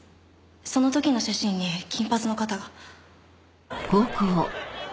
その時の写真に金髪の方が。